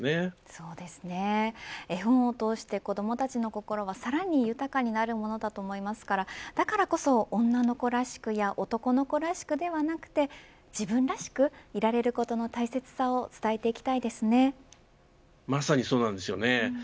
絵本を通して子どもたちの心はさらに豊かになるものだと思いますからだからこそ、女の子らしくや男の子らしくではなくて自分らしくいられることの大切さを伝えていきたいですね。